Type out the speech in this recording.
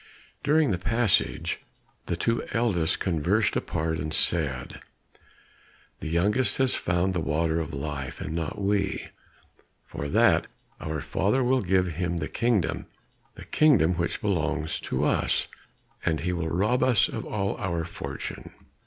During the passage, the two eldest conversed apart and said, "The youngest has found the water of life and not we, for that our father will give him the kingdom the kingdom which belongs to us, and he will rob us of all our fortune."